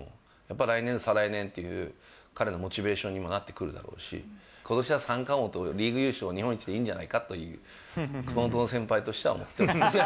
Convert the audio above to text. やっぱ来年、再来年っていう、彼のモチベーションにもなってくるだろうし、ことしは三冠王とリーグ優勝、日本一でいいんじゃないかという、熊本の先輩としては思っております。